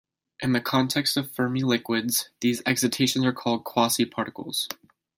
In the context of Fermi liquids, these excitations are called "quasi-particles".